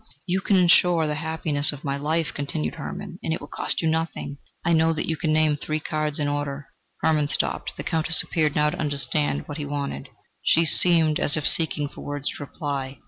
"You can insure the happiness of my life," continued Hermann, "and it will cost you nothing. I know that you can name three cards in order " Hermann stopped. The Countess appeared now to understand what he wanted; she seemed as if seeking for words to reply.